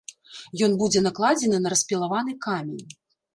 Ён будзе накладзены на распілаваны камень.